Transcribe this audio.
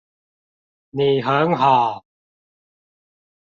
你很好